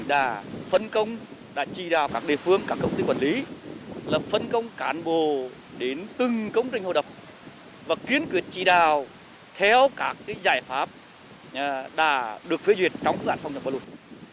đã phân công đã trì đào các địa phương các công ty quản lý là phân công cán bộ đến từng công trình hồi đập và kiến quyết trì đào theo các giải pháp đã được phê duyệt trong các dạng phong trọng và lùi